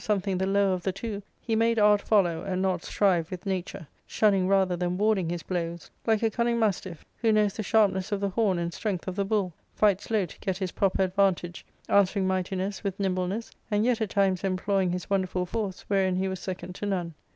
329 thing the lower of the two, he made art follow, and not strive with nature ; shunning rather than warding his blows, like a cunning mastiff who knows the sharpness of the horn and strength of the bull, fights low to get his proper advantage, answering mightiness with nimbleness, and yet at times em ploying his wonderful force, wherein he was second to none.